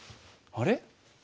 あれ？